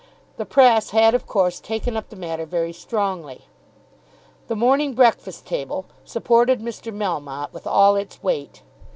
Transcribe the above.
The press had of course taken up the matter very strongly. The "Morning Breakfast Table" supported Mr. Melmotte with all its weight.